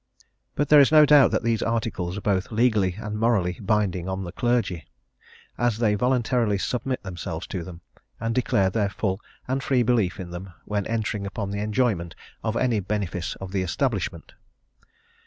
But there is no doubt that these Articles are both legally and morally binding on the clergy, as they voluntarily submit themselves to them, and declare their full and free belief in them when entering upon the enjoyment of any benefice of the Establishment.